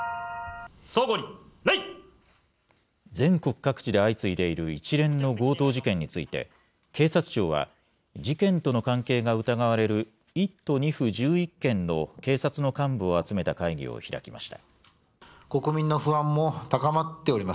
全国各地で相次いでいる一連の強盗事件について、警察庁は、事件との関係が疑われる１都２府１１県の警察の幹部を集めた会議を開きました。